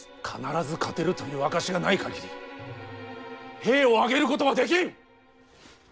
必ず勝てるという証しがない限り兵を挙げることはできん！